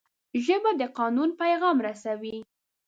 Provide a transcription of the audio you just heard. ژبه د قانون پیغام رسوي